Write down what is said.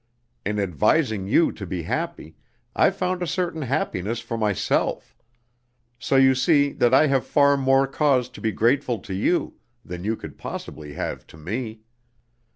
In advising you to be happy, I've found a certain happiness for myself; so you see that I have far more cause to be grateful to you than you could possibly have to me.